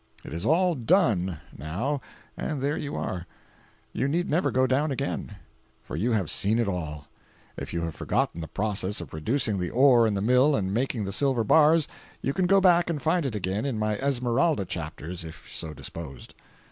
It is all "done," now, and there you are. You need never go down again, for you have seen it all. If you have forgotten the process of reducing the ore in the mill and making the silver bars, you can go back and find it again in my Esmeralda chapters if so disposed.